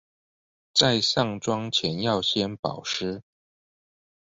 在上妝前要先保濕